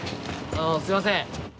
あの、すいません。